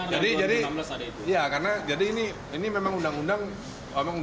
jadi ini memang undang undang politis juga